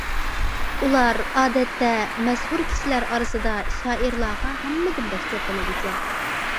ئۇلار، ئادەتتە، مەشھۇر كىشىلەر ئارىسىدا شائىرلارغا ھەممىدىن بەك چوقۇنىدىكەن.